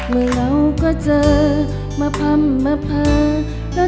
เมื่อเราก็เจอมาพัมมาภา